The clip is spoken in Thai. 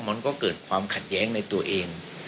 มันก็เกิดความขัดแย้งในตัวเอง